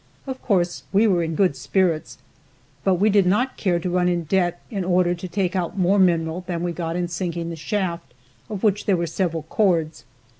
Of course we were in good spirits, but we did not care to run in debt in order to take out more mineral than we got in sinking the shaft, of which there were several cords.